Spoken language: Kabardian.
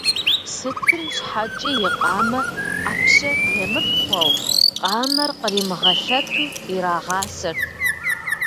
Сытым щхьэкӀи и къамэ Ӏэпщэ емыпхъуэу, къамэр къримыгъэлъэту ирагъасэрт.